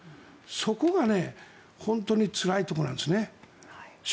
そこが本当につらいところなんですね。